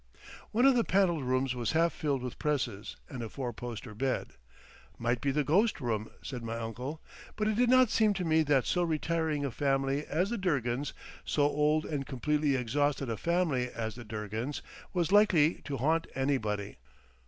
One of the panelled rooms was half filled with presses and a four poster bed. "Might be the ghost room," said my uncle; but it did not seem to me that so retiring a family as the Durgans, so old and completely exhausted a family as the Durgans, was likely to haunt anybody.